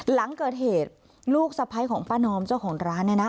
หลังเกิดเหตุลูกสะพ้ายของป้านอมเจ้าของร้านเนี่ยนะ